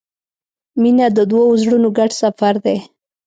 • مینه د دوو زړونو ګډ سفر دی.